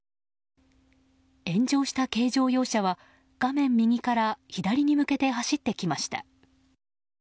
炎上した軽乗用車は画面右から左に向けて走ってきました。